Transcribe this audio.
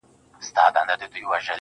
ورځم چي عمر چي له يو ساعته کم ساز کړي